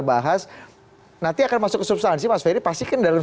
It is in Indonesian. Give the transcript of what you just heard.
oke kami akan segera kembali